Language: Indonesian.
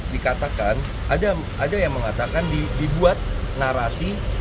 dikatakan ada yang mengatakan dibuat narasi